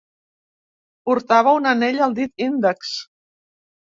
Portava un anell al dit índex.